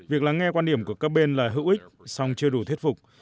việc lắng nghe quan điểm của các bên là hữu ích song chưa đủ thuyết phục